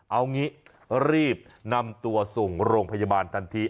เอางี้รีบนำตัวส่งโรงพยาบาลทันที